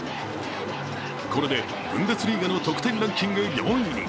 これでブンデスリーガの得点ランキング４位に。